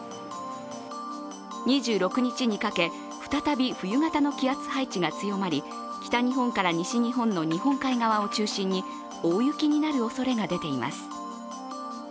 ２６日にかけ、再び冬型の気圧配置が強まり北日本から西日本の日本海側を中心に大雪になるおそれが出ています。